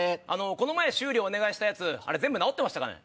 この前修理お願いしたやつ全部直ってましたかね？